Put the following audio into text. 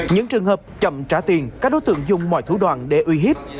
những trường hợp chậm trả tiền các đối tượng dùng mọi thủ đoạn để uy hiếp